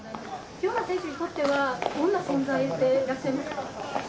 清原選手にとっては、どんな存在でいらっしゃいますか。